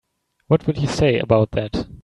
What would you say about that?